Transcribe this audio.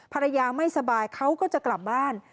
ภรรยาไม่สบายเขาก็จะกลับบ้าน